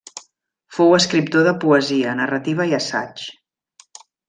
Fou escriptor de poesia, narrativa i assaig.